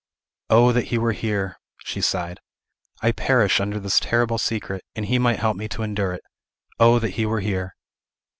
"O that he were here!" she sighed; "I perish under this terrible secret; and he might help me to endure it. O that he were here!"